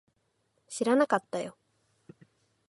知らなかったよ